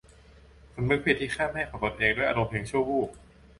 สำนึกผิดที่ฆ่าแม่ของตนเองด้วยอารมณ์เพียงชั่ววูบ